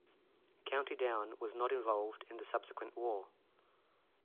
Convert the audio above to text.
County Down was not involved in the subsequent war.